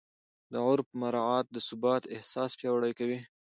د عرف مراعات د ثبات احساس پیاوړی کوي.